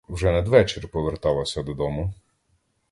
Вже надвечір поверталася додому.